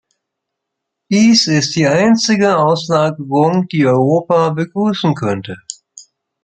Dies ist die einzige Auslagerung, die Europa begrüßen könnte.